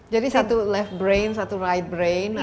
jadi satu left brain satu right brain